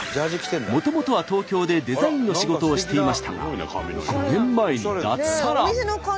もともとは東京でデザインの仕事をしていましたが５年前に脱サラ。